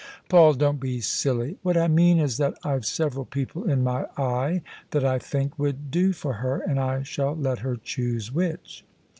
" Paul, don't be silly! What I mean is that I've several people in my eye that I think would do for her : and I shall let her choose which."